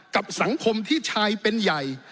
กับสังคมที่ชายเป็นใหญ่